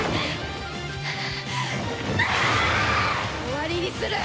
終わりにする！